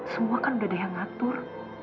semua kan udah ada yang ngatur